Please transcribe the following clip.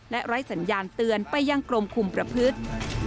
และไร้สัญญาณเตือนไปยังกรมคุมประพฤติ